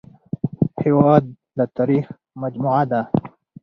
هېواد د تاریخ مجموعه ده